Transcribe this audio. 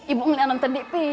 ibu ngeliatan tdp